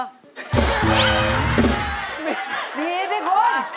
สนิทพี่คุณ